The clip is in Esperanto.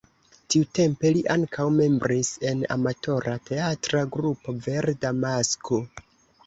Tiutempe li ankaŭ membris en amatora teatra grupo Verda Masko.